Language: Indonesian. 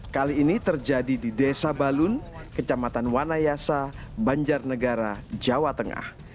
kali ini terjadi di desa balun kecamatan wanayasa banjarnegara jawa tengah